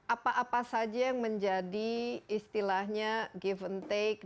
apa apa saja yang menjadi istilahnya give and take